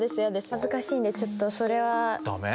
恥ずかしいんでちょっとそれは。だめ？